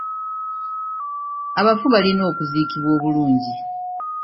Abafu balina okuziikibwa obulungi.